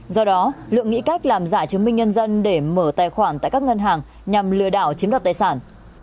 do đó lượng nghĩ cách làm giả chứng minh nhân dân để mở tài khoản tại các ngân hàng nhằm lừa đảo chiếm đoạt tài sản